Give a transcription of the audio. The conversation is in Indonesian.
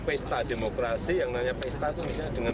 pesta demokrasi yang nanya pesta itu misalnya